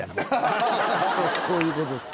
「そういう事です」